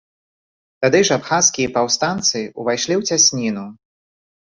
Тады ж абхазскія паўстанцы ўвайшлі ў цясніну.